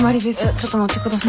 ちょっと待って下さい。